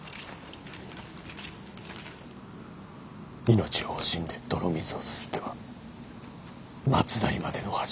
命を惜しんで泥水をすすっては末代までの恥。